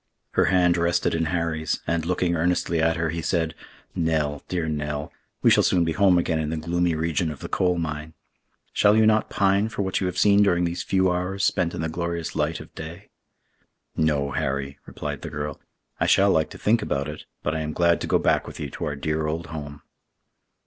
Her hand rested in Harry's, and, looking earnestly at her, he said, "Nell, dear Nell, we shall soon be home again in the gloomy region of the coal mine. Shall you not pine for what you have seen during these few hours spent in the glorious light of day?" "No, Harry," replied the girl; "I shall like to think about it, but I am glad to go back with you to our dear old home."